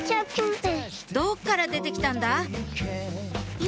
どっから出て来たんだ？